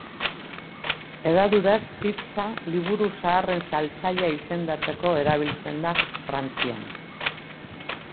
Hedaduraz, hitza liburu zaharren saltzailea izendatzeko erabiltzen da Frantzian.